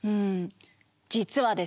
実はですね